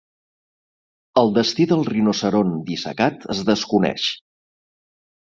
El destí del rinoceront dissecat es desconeix.